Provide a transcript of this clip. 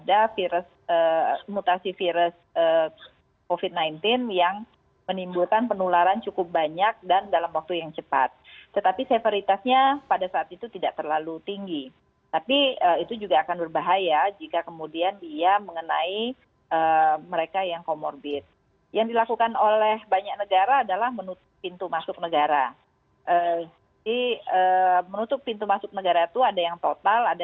apakah sebelumnya rekan rekan dari para ahli epidemiolog sudah memprediksi bahwa temuan ini sebetulnya sudah ada di indonesia